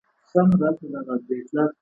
په ټول باغ کې د ګلانو بوی خپور دی.